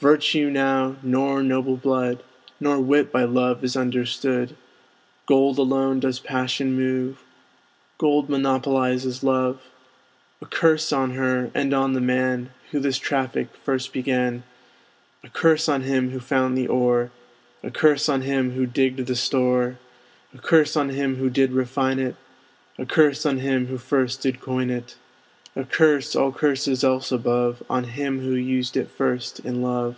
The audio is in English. Virtue now, nor noble blood, Nor wit by love is understood; Gold alone does passion move, Gold monopolizes love; A curse on her, and on the man Who this traffic first began! A curse on him who found the ore! A curse on him who digged the store! A curse on him who did refine it! A curse on him who first did coin it! A curse, all curses else above, On him who used it first in love!